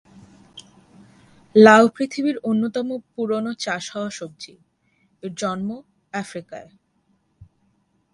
লাউ পৃথিবীর অন্যতম পুরনো চাষ হওয়া সবজি, এর জন্ম আফ্রিকায়।